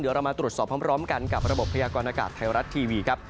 เดี๋ยวเรามาตรวจสอบพร้อมกันกับระบบพยากรณากาศไทยรัฐทีวีครับ